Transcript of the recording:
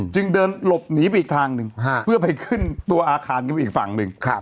จึงเดินหลบหนีไปอีกทางหนึ่งเพื่อไปขึ้นตัวอาคารกันไปอีกฝั่งหนึ่ง